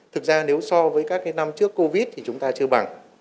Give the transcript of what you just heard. thực ra nếu so với các năm trước covid thì chúng ta chưa bằng